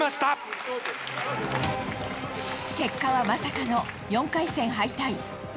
結果はまさかの４回戦敗退。